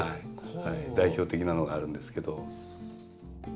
代表的なのがあるんですけど。